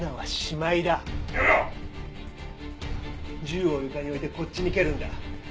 銃を床に置いてこっちに蹴るんだ。